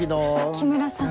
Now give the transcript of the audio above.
木村さん。